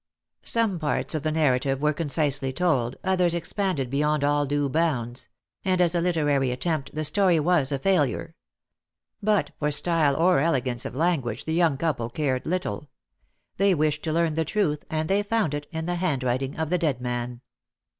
Some parts of the narrative were concisely told, others expanded beyond all due bounds; and as a literary attempt the story was a failure. But for style or elegance of language the young couple cared little. They wished to learn the truth, and they found it in the handwriting of the dead man.